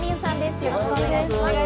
よろしくお願いします。